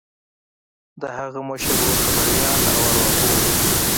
د هغه مشر ورور خبریال او ارواپوه و